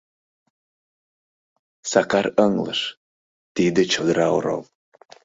Сакар ыҥлыш: тиде чодыра орол!